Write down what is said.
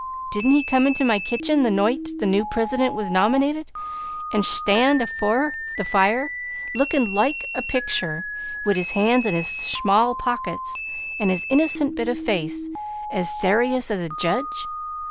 Didn't he come into my kitchen the noight the new Prisident was nominated and shtand afore the fire, lookin' loike a pictur', wid his hands in his shmall pockets, an' his innocent bit of a face as sayrious as a jedge?